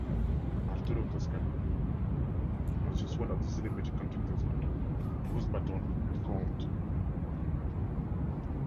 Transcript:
Arturo Toscanini was just one of the celebrated conductors under whose baton he performed.